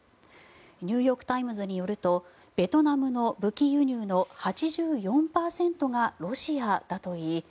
ニューヨーク・タイムズによるとベトナムの武器輸入の８４％がロシアだといい